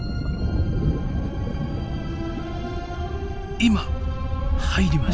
今入りました。